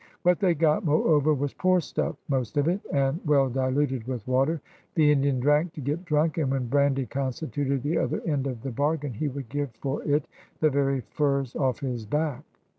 What they got, moreover, was poor stuff, most of it, and well diluted with water. The Indian drank to get drunk, and when brandy constituted the other end of the bargain he would give for it the very furs off his back.